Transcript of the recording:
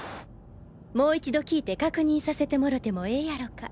もう一度聞いて確認させてもろてもええやろか？